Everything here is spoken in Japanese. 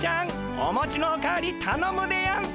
おもちのお代わりたのむでやんす！